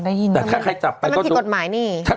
เออได้ยินแต่มันผิดกฎหมายนี่ถ้าใครจับไป